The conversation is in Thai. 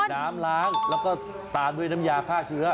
น้ำล้างแล้วก็ตามด้วยน้ำยาฆ่าเชื้อ